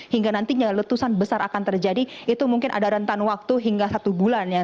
hingga nantinya letusan besar akan terjadi itu mungkin ada rentan waktu hingga satu bulan ya